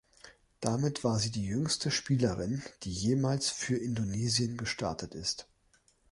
Damit war sie die jüngste Spielerin, die jemals für Indonesien gestartet ist.